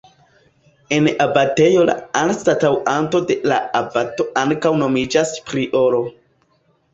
En abatejo la anstataŭanto de la abato ankaŭ nomiĝas prioro.